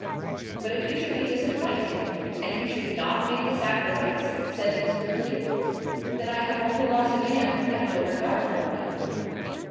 "But if you should be disappointed, and he should not make the sacrifice?" said Miss Woodley. "Then I have only lost a man who had no regard for me."